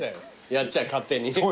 やっちゃ勝手に。